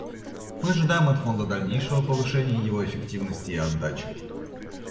Мы ожидаем от Фонда дальнейшего повышения его эффективности и отдачи.